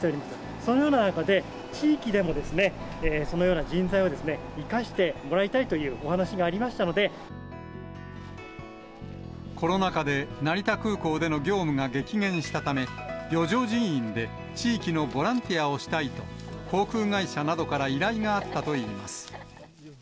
そのような中で、地域でもそのような人材を生かしてもらいたいというお話がありまコロナ禍で、成田空港での業務が激減したため、余剰人員で地域のボランティアをしたいと、航空会社などから依頼があったといいます。